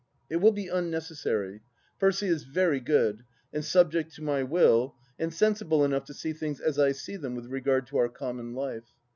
It will be unnecessary. Percy is very good, and subject to my wUl, and sensible enough to see things as I see them with regard to our common life.